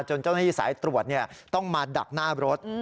เจ้าหน้าที่สายตรวจต้องมาดักหน้ารถ